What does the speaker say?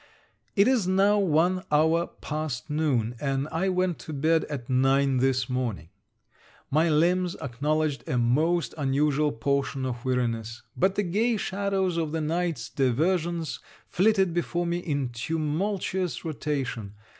It is now one hour past noon, and I went to bed at nine this morning. My limbs acknowledged a most unusual portion of weariness; but the gay shadows of the night's diversions flitted before me in tumultuous rotation.